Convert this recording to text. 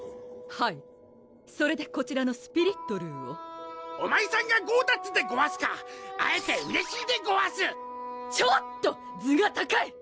はいそれでこちらのスピリットルーをお前さんがゴーダッツでごわすか会えてうれしいでごわすちょっと頭が高い！